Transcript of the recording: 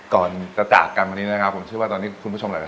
ก่อนจะจากการทำกันเวียบผมเชื่อว่าคุณผู้ชมหลาย